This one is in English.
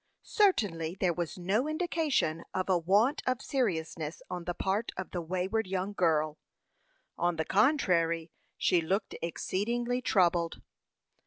Certainly there was no indication of a want of seriousness on the part of the wayward young lady; on the contrary, she looked exceedingly troubled.